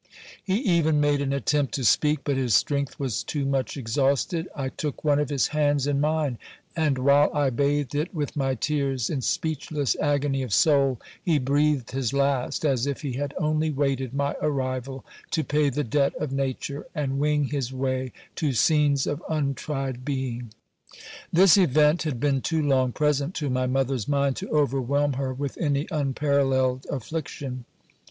He even made an attempt to speak, but his strength was too much exhausted. I took one of his hands in mine, and while I bathed it with my tears, in speechless agony of soul, he breathed his last, as if he had only waited my arrival to pay the debt of nature, and wing his way to scenes of untried being. This event had been too long present to my mothers mind to overwhelm her with any unparalleled affliction.